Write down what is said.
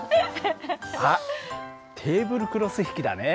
あっテーブルクロス引きだね。